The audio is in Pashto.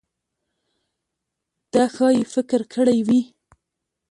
ده ښايي فکر کړی وي.